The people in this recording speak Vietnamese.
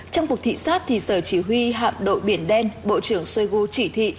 trong cuộc thị xác thì sở chỉ huy hạm đội biển đen bộ trưởng shoigu chỉ thị